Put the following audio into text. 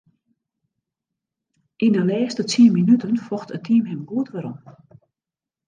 Yn 'e lêste tsien minuten focht it team him goed werom.